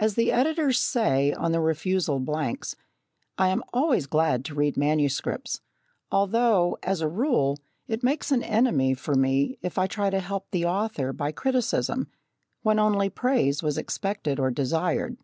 As the editors say on the refusal blanks, "I am always glad to read manuscripts," although, as a rule, it makes an enemy for me if I try to help the author by criticism, when only praise was expected or desired.